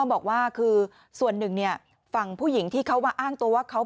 บอกว่าคือส่วนหนึ่งเนี่ยฝั่งผู้หญิงที่เขามาอ้างตัวว่าเขา